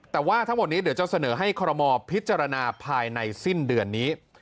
แต่ว่าทั้งหมดนี้เดี๋ยวจะเสนอให้คอรมอลพิจารณาภายในสิ้นเดือนนี้